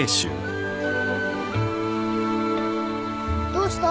どうした？